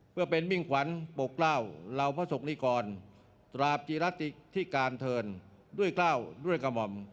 เพื่อเป็นมิ่งขวัญปกกล้าวเหล่าพระศกนิกรตราบจิรัติที่การเทินด้วยกล้าวด้วยกระหม่อม